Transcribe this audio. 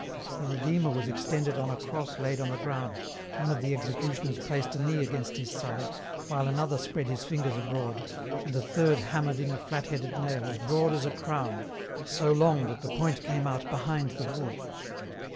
The Redeemer was extended on a cross laid on the ground, one of the execu tioners placed a knee against His side, while another spread His fingers abroad, and a third hammered in a flat headed nail as broad as a crown, and so long that the point came out behind the wood.